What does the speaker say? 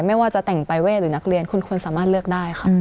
ไม่ว่าจะแต่งปรายเวทหรือนักเรียนคุณสามารถเลือกได้ค่ะ